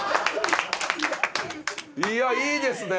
いやいいですね。